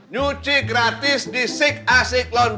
nyuci gratis di sik asik london